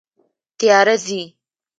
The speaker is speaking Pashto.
تیاره ځي